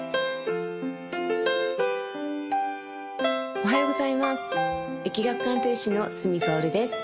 おはようございます易学鑑定士の角かおるです